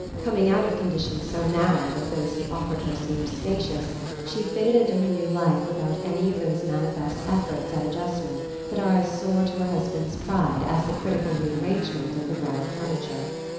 Coming out of conditions so narrow that those he offered her seemed spacious, she fitted into her new life without any of those manifest efforts at adjustment that are as sore to a husband's pride as the critical rearrangement of the bridal furniture.